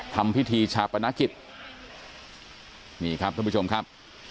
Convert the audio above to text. ทำพิธีชาปนกิจนี่ครับท่านผู้ชมครับ